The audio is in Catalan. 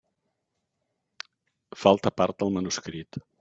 Falta part del manuscrit.